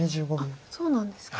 そうなんですか。